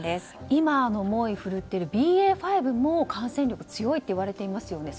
今、猛威を振るっているＢＡ．５も感染力が強いといわれていますよね。